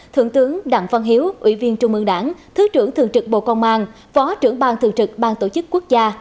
thượng tướng đặng văn hiếu ủy viên trung ương đảng thứ trưởng thường trực bộ công an phó trưởng ban thường trực ban tổ chức quốc gia